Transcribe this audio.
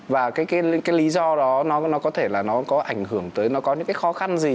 và cái lý do đó nó có thể là nó có ảnh hưởng tới nó có những cái khó khăn gì